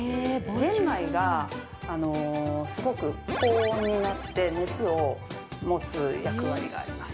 玄米がすごく高温になって、熱を持つ役割があります。